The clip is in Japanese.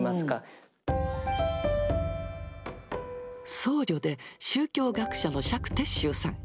僧侶で宗教学者の釈徹宗さん。